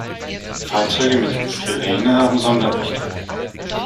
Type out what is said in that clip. Fahrzeuge mit Sirene haben Sonderrechte.